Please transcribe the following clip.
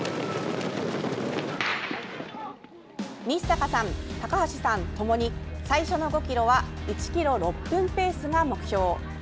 日坂さん、高橋さんともに最初の５ｋｍは１ｋｍ６分ペースが目標。